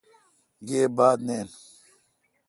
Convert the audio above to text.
گیب بات نین۔